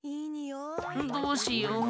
どうしよう。